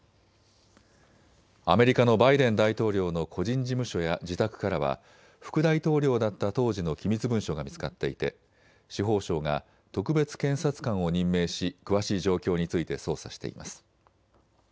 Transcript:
アメリカのバイデン大統領の個人事務所や自宅からは副大統領だった当時の機密文書が見つかっていて司法省が特別検察官を任命し詳しい状況について捜査しています。